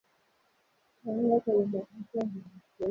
Kaanga kwenye mafuta yanayochemka